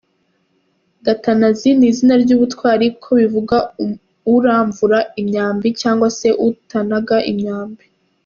Gatanazi ni izina ry’ubutwari kuko bivuga uramvura imyambi cyangwa se utanaga imyambi.